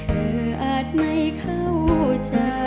อาจไม่เข้าใจ